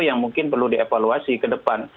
yang mungkin perlu dievaluasi ke depan